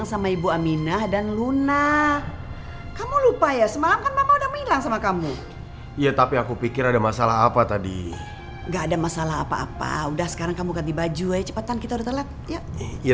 sampai jumpa di video selanjutnya